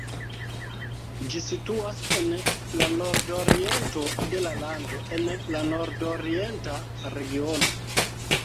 Ĝi situas en la nordoriento de la lando en la Nordorienta Regiono.